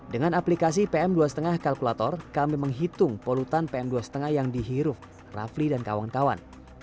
dengan aplikasi pm dua lima kalkulator kami menghitung polutan pm dua lima yang dihirup rafli dan kawan kawan